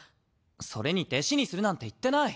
それに弟子にするなんて言ってない。